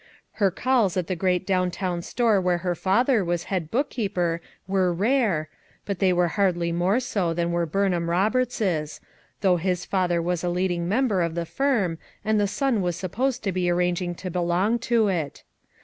Her calls at the great down town store where her father was head bookkeeper w T ere rare, but they were hardly more so than were Burnham Roberts's, although his father was a leading member of the firm and the son was supposed to be arrang ing to belong to it.